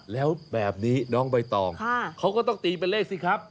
แล้วแบบนี้น้องใบตองเขาก็ต้องตีเป็นเลขสิครับ